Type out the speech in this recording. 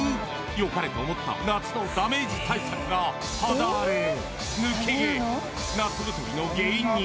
良かれと思った夏のダメージ対策が肌荒れ、抜け毛、夏太りの原因に。